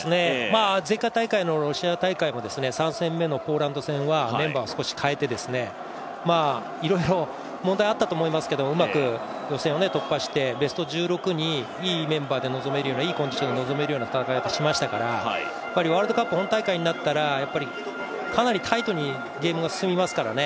前回大会のロシア大会も３戦目のポーランド戦はメンバーを少しかえていろいろ問題あったと思いますけどうまく予選を突破してベスト１６に、いいメンバーでいいメンバーで、いいコンディションで臨めるようになりましたから、ワールドカップ本大会になったらかなりタイトにゲームが進みますからね